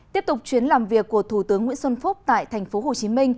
tiếp tục chuyến làm việc của thủ tướng nguyễn xuân phúc tại tp hcm